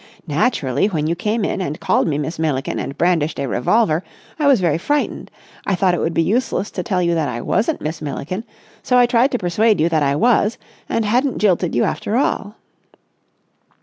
Naturally, when you came in and called me Miss Milliken, and brandished a revolver, I was very frightened. I thought it would be useless to tell you that I wasn't Miss Milliken, so I tried to persuade you that I was and hadn't jilted you after all."